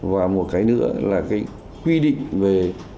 và một cái nữa là cái quy định về